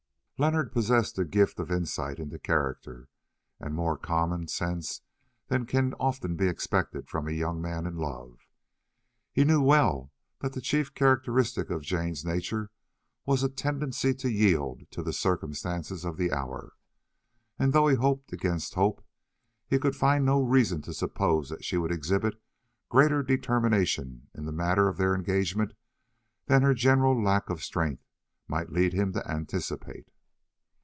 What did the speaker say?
Leonard possessed the gift of insight into character, and more common sense than can often be expected from a young man in love. He knew well that the chief characteristic of Jane's nature was a tendency to yield to the circumstances of the hour, and though he hoped against hope, he could find no reason to suppose that she would exhibit greater determination in the matter of their engagement than her general lack of strength might lead him to anticipate.